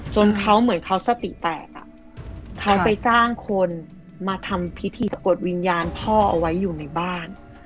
จนเขาเหมือนเขาสติแตกเขาไปจ้างคนมาทำพิธีสะกดวิญญาณพ่อเอาไว้อยู่ในบ้าน